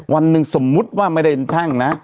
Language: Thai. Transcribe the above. วันหนึ่งสมมุติว่าไม่ได้เป็นแท่งนะ